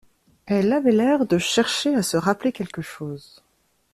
Elle avait l'air de chercher à se rappeler quelque chose.